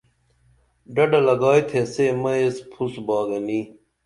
ڈڈہ لگائی تھے سے مئی ایس پُھس با گنی